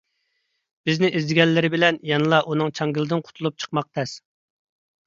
بىزنى ئىزدىگەنلىرى بىلەن يەنىلا ئۇنىڭ چاڭگىلىدىن قۇتۇلۇپ چىقماق تەس.